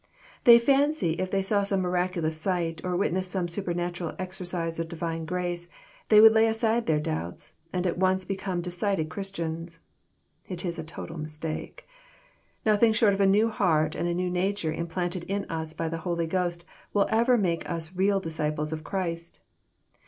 They fancy if they saw some miraculous sight, or witnessed some supernatural exercise of Divine grace, they would lay aside their doubts, and at once become decided Christians. It is a total mistake. Nothing short of a new heart and a new nature implanted in us by the Holy Ghost, will ever make us real disciples of Christ.